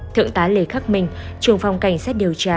thượng tá lê khắc minh trường phòng cảnh sát điều tra